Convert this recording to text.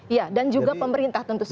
iya dan juga pemerintah tentu saja